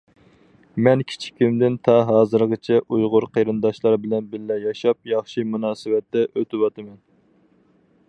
مەن كىچىكىمدىن تا ھازىرغىچە ئۇيغۇر قېرىنداشلار بىلەن بىللە ياشاپ، ياخشى مۇناسىۋەتتە ئۆتۈۋاتىمەن.